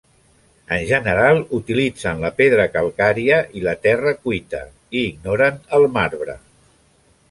En general, utilitzen la pedra calcària i la terra cuita i ignoren el marbre.